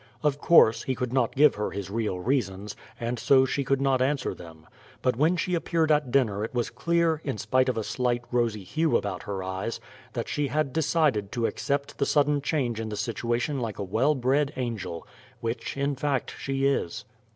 Of course, he could not give her his real reasons, and so she could not answer them. But when she appeared at dinner it was clear, in spite of a slight rosy hue about her eyes, that she had decided to accept the sudden change in the situation like a well bred angel which, in fact, she is.